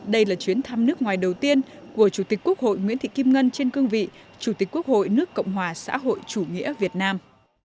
đây là chuyến thăm nước ngoài đầu tiên của chủ tịch quốc hội nguyễn thị kim ngân trên cương vị chủ tịch quốc hội nước cộng hòa xã hội chủ nghĩa việt nam